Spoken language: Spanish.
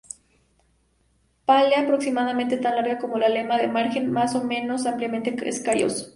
Pálea aproximadamente tan larga como la lema, de margen más o menos ampliamente escarioso.